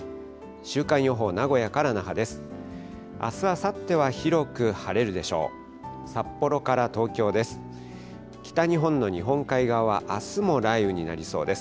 週間予報、名古屋から那覇です。